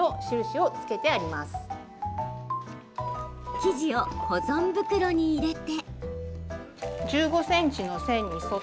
生地を保存袋に入れて。